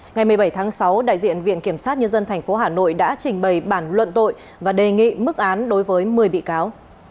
ngày một mươi bảy tháng sáu đại diện viện kiểm sát nhân dân tp hà nội đã trình bày bản luận tội và đề nghị mức án đối với một mươi bị cáo